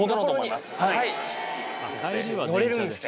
乗れるんですね。